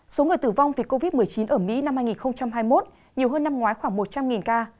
số người tử vong vì covid một mươi chín ở mỹ năm hai nghìn hai mươi một nhiều hơn năm ngoái khoảng một trăm linh ca